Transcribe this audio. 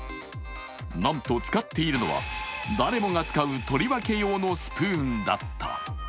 なんと、使っているのは誰もが使う取り分け用のスプーンだった。